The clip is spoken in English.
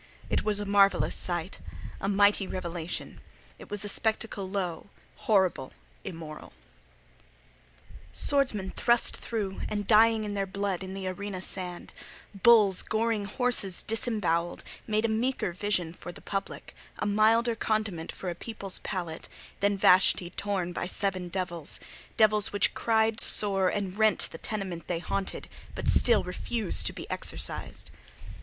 It was a marvellous sight: a mighty revelation. It was a spectacle low, horrible, immoral. Swordsmen thrust through, and dying in their blood on the arena sand; bulls goring horses disembowelled, made a meeker vision for the public—a milder condiment for a people's palate—than Vashti torn by seven devils: devils which cried sore and rent the tenement they haunted, but still refused to be exorcised.